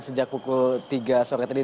sejak pukul tiga sore tadi